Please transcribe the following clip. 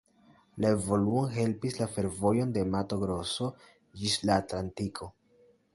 La evoluon helpis la fervojo de Mato Grosso ĝis la Atlantiko.